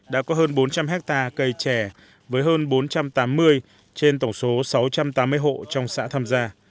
đã có hơn bốn trăm linh hectare cây trẻ với hơn bốn trăm tám mươi trên tổng số sáu trăm tám mươi hộ trong xã tham gia